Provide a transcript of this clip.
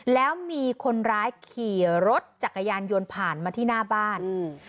แล้วมีคนร้ายขี่รถจักรยานยนต์ผ่านมาที่หน้าบ้านอืม